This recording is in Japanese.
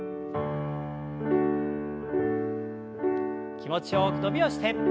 気持ちよく伸びをして。